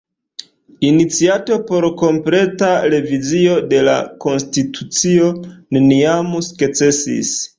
Iniciato por kompleta revizio de la konstitucio neniam sukcesis.